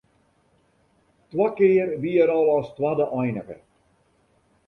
Twa kear wie er al as twadde einige.